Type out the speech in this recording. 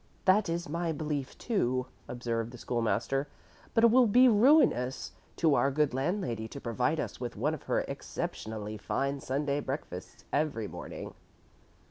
"That is my belief, too," observed the School master. "But it will be ruinous to our good landlady to provide us with one of her exceptionally fine Sunday breakfasts every morning."